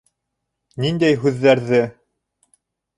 Ниндәй һүҙҙәрҙе?